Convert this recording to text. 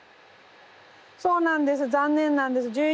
そうなんです残念なんです。